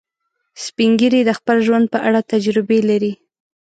سپین ږیری د خپل ژوند په اړه تجربې لري